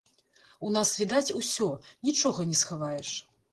У нас відаць усё, нічога не схаваеш.